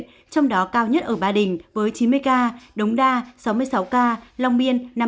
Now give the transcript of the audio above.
trong đó cao nhất ở ba đình với chín mươi ca đống đa sáu mươi sáu ca long biên năm mươi hai ca